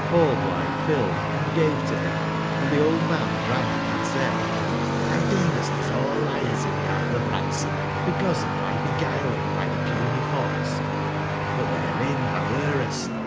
nallblithe filled, and gave to him, and tbe old man drank & said :'' TTbou deemest us all liars in the Isle of Ransom because of tby beguiling by the puny fox : but therein tbou errest.